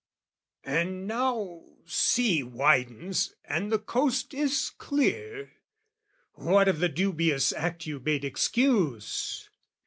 And now, sea widens and the coast is clear. What of the dubious act you bade excuse?